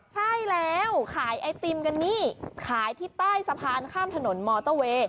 ใช่แล้วขายไอติมกันนี่ขายที่ใต้สะพานข้ามถนนมอเตอร์เวย์